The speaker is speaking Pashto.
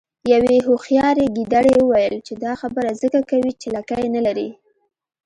یوې هوښیارې ګیدړې وویل چې دا خبره ځکه کوې چې لکۍ نلرې.